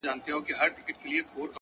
• ډوډۍ که پردۍ وه ګیډه خو دي خپله وه ,